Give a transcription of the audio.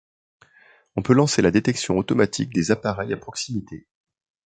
On peut lancer la détection automatique des appareils à proximité.